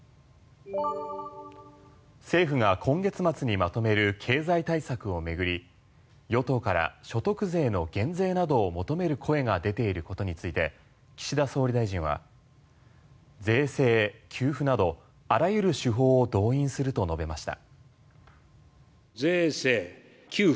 政府が今月末にまとめる経済対策を巡り与党から所得税の減税などを求める声が出ていることについて岸田総理大臣は税制、給付などあらゆる手法を動員すると述べました。